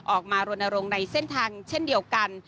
ออกมาโรนโรงในเส้นทางเช่นเดียวกัน